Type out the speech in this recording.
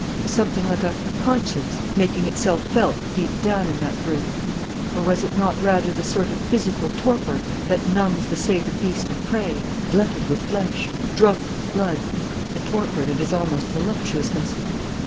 Was something like a conscience making itself felt deep down in that brute? Or was it not rather the sort of physical torpor that numbs the sated beast of prey, glutted with flesh, drunk with blood, a torpor that is almost voluptuousness?